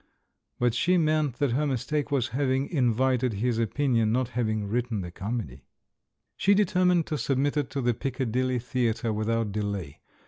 But she meant that her mistake was having invited his opinion, not having written the comedy. She determined to submit it to the Piccadilly Theatre without delay.